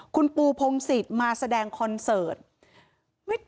คุณปูพงศิษย์มาแสดงคอนเสิร์ต